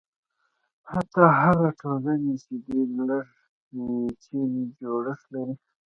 حتی هغه ټولنې چې ډېر لږ پېچلی جوړښت لري.